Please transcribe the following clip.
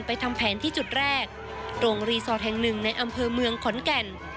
ทำแผนที่จุดแรกตรงรีสอร์ทแห่งหนึ่งในอำเภอเมืองขอนแก่น